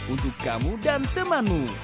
untuk kamu dan temanmu